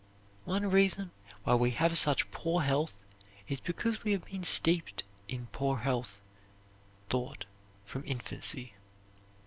One reason why we have such poor health is because we have been steeped in poor health thought from infancy.